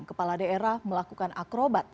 kepala daerah melakukan akrobat